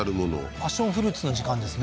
パッションフルーツの時間ですね